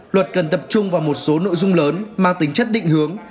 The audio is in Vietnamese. luật cần tập trung vào một số nội dung lớn mang tính chất định hướng